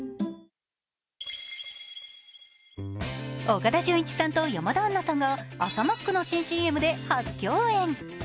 岡田准一さんと山田杏奈さんが朝マックの新ＣＭで初共演。